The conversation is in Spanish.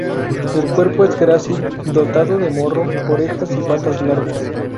El cuerpo es grácil, dotado de morro, orejas y patas largas.